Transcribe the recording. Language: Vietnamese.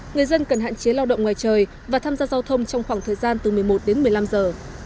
người dân cần hạn chế lao động ngoài trời và tham gia giao thông trong khoảng thời gian từ một mươi một đến một mươi năm giờ